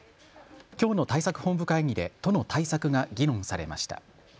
きょうの対策本部会議で都の対策が議論されました。